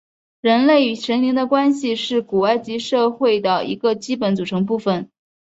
人类与神灵的关系是古埃及社会的一个基本组成部分。